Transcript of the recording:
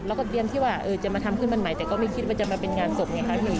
แล้วก็เตรียมที่ว่าจะมาทำขึ้นบ้านใหม่แต่ก็ไม่คิดว่าจะมาเป็นงานศพไงครั้งหนึ่ง